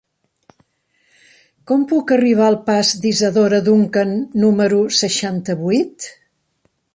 Com puc arribar al pas d'Isadora Duncan número seixanta-vuit?